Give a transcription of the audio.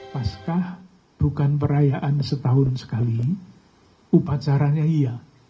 pascah bukan perayaan setahun sekali upacaranya iya